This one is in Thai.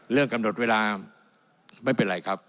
เรื่องกำหนดเวลาไม่เป็นไรครับ